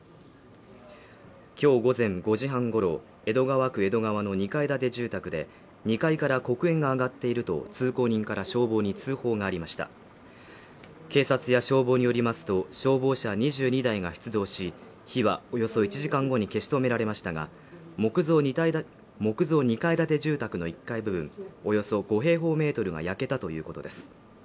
きょう午前５時半ごろ江戸川区江戸川の２階建て住宅で２階から黒煙が上がっていると通行人から消防に通報がありました警察や消防によりますと消防車２２台が出動し火はおよそ１時間後に消し止められましたが木造２階建て住宅の１階部分およそ５平方メートルが焼けたということです